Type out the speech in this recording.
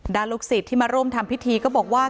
ลูกศิษย์ที่มาร่วมทำพิธีก็บอกว่า